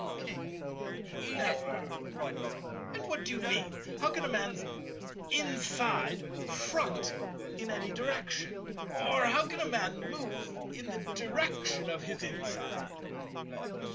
King. Never. And what do you mean? How can a man's inside "front" in any direction? Or how can a man move in the direction of his inside?